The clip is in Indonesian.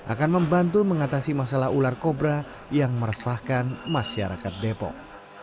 akan membantu mengatasi masalah ular kobra yang meresahkan masyarakat depok